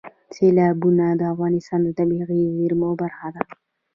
سیلابونه د افغانستان د طبیعي زیرمو برخه ده.